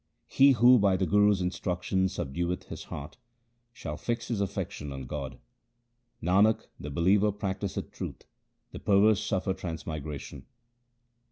He who by the Guru's instruction subdueth his heart, shall fix his affection on God. Nanak, the believer practiseth truth ; the perverse suffer transmigration.